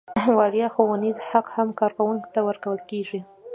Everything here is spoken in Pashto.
وړیا ښوونیز حق هم کارکوونکي ته ورکول کیږي.